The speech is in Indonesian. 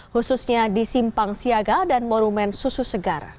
khususnya di simpang siaga dan morumen susu segar